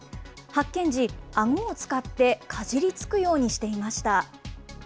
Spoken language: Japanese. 発見時、あごを使ってかじりつくようにしていました。